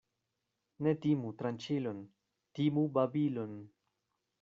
Ne timu tranĉilon, timu babilon.